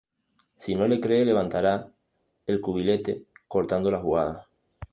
Si no le cree levantará el cubilete, cortando la jugada.